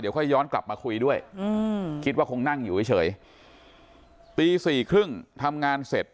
ค่อยย้อนกลับมาคุยด้วยคิดว่าคงนั่งอยู่เฉยตีสี่ครึ่งทำงานเสร็จ